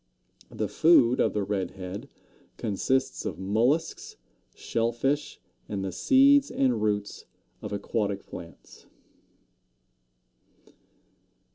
The food of the Red head consists of mollusks, shell fish, and the seeds and roots of aquatic plants.